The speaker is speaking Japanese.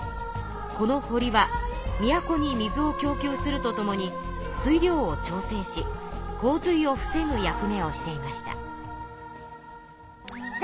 この堀は都に水をきょう給するとともに水量を調整しこう水を防ぐ役目をしていました。